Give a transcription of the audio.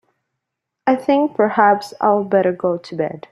I think perhaps I'd better go to bed.